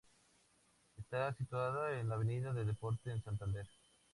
Está situado en la avenida del Deporte, en Santander.